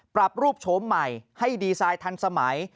ปรับรูปโฉมใหม่ให้ดีไซน์ทันสมัย